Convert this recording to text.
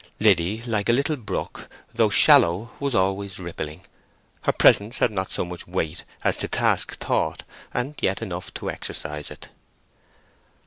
Liddy, like a little brook, though shallow, was always rippling; her presence had not so much weight as to task thought, and yet enough to exercise it.